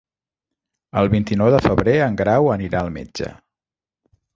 El vint-i-nou de febrer en Grau anirà al metge.